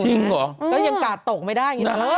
จริงหรอก็ยังกาดตกไม่ได้